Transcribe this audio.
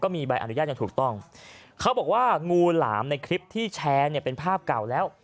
มีใบอนุญาตอย่างถูกต้องเขาบอกว่างูหลามในคลิปที่แชร์เนี่ยเป็นภาพเก่าแล้ว